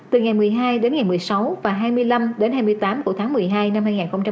từ ngày một mươi hai đến ngày một mươi sáu và hai mươi năm đến hai mươi tám của tháng một mươi hai năm hai nghìn một mươi chín